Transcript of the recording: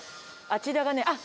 あちらがねあっ！